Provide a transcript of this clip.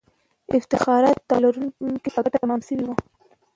افتخارات د واک لرونکو په ګټه تمام سوي وو.